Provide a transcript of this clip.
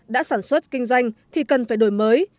đã sản xuất kinh doanh thì cần phải đổi mới